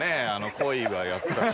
鯉はやったし。